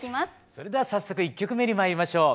それでは早速１曲目にまいりましょう。